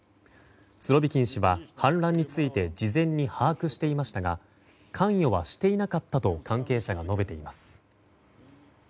スロビキン氏は反乱について事前に把握していましたが関与はしていなかったと関係者が述べています。